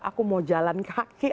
aku mau jalan kaki